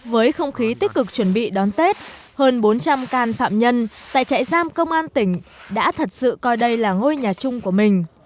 với không khí tích cực chuẩn bị đón tết hơn bốn trăm linh can phạm nhân tại trại giam công an tỉnh đã thật sự coi đây là ngôi nhà chung của mình